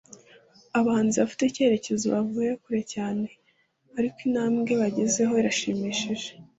abahanzi bafite icyerekezo bavuye kure cyane ariko intambwe bagezeho irashimishije